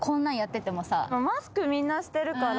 マスクみんなしてるから。